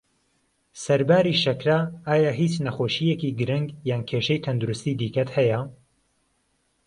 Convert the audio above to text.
سەرباری شەکره، ئایا هیچ نەخۆشیەکی گرنگ یان کێشەی تەندروستی دیکەت هەیە؟